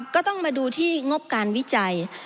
ก็ต้องมาดูที่งบการวิจัย